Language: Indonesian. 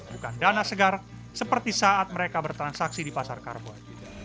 bukan dana segar seperti saat mereka bertransaksi di pasar karbon